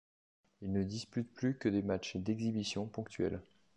Il ne dispute plus que des matchs d'exhibition ponctuels.